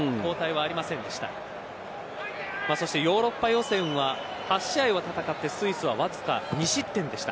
ヨーロッパ予選は８試合戦ってスイスはわずか２失点でした。